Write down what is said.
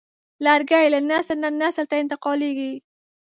لرګی له نسل نه نسل ته انتقالېږي.